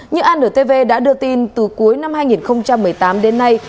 như an nửa tv đã đưa tin từ cuối năm hai nghìn một mươi tám đến nay